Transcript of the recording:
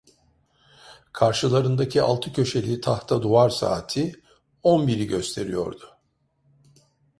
Karşılarındaki altı köşeli tahta duvar saati on biri gösteriyordu.